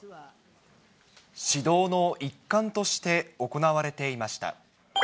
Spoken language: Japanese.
指導の一環として行われていました。